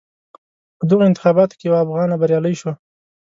په دغو انتخاباتو کې یوه افغانه بریالی شوه.